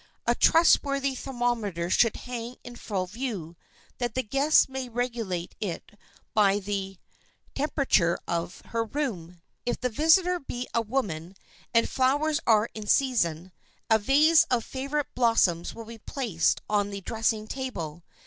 A trustworthy thermometer should hang in full view, that the guest may regulate by it the temperature of her room. If the visitor be a woman, and flowers are in season, a vase of favorite blossoms will be placed on the dressing table.